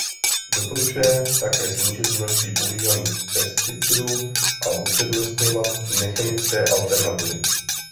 Doporučuje také snížit množství používaných pesticidů a upřednostňovat nechemické alternativy.